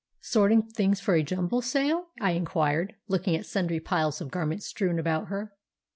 "Sorting things for a jumble sale?" I inquired, looking at sundry piles of garments strewn about her.